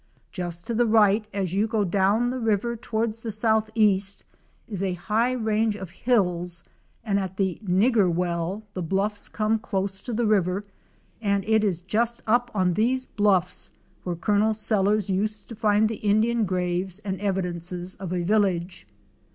Just to the right as you go down the river toward the southeast is a high range of hills and at the "Nigger Well" the blufiPs come close to the river and it is just up on these bluffs where Colonel Sellers used to find the Indian graves and evidences of a village.